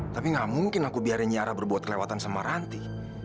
tapi gak mungkin aku biarin yara berbuat kelewatan sama ranti